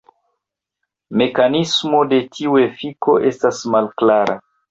Mekanismo de tiu efiko estas malklara.